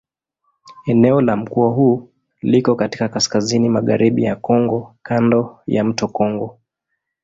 Eneo la mkoa huu liko katika kaskazini-magharibi ya Kongo kando ya mto Kongo.